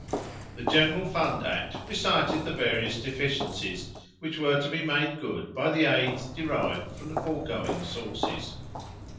The General Fund Act recited the various deficiencies, which were to be made good by the aids derived from the foregoing sources.